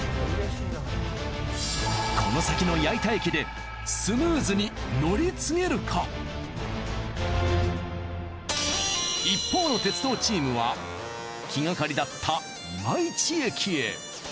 この先の一方の鉄道チームは気がかりだった今市駅へ。